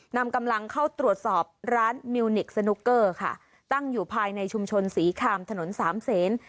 นำกำลังเข้าตรวจสอบร้านมิวนิกสนุกเกอร์ค่ะตั้งอยู่ภายในชุมชนศรีคามถนนสามเศษ